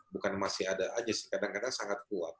bukan masih ada aja sih kadang kadang sangat kuat